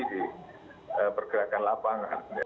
di pergerakan lapangan